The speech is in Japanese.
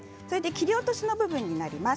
切り落としの部分になります。